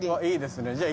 いいですね。